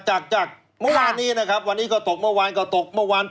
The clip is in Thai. จากจากเมื่อวานนี้นะครับวันนี้ก็ตกเมื่อวานก็ตกเมื่อวาน